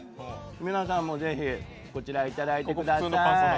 皆さんもぜひこちらいただいてください。